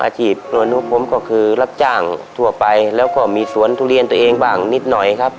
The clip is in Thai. อาชีพประโยชน์ของผมก็คือรับจ้างทั่วไปแล้วก็มีสวนทุเรียนตัวเองบางนิดหน่อยครับ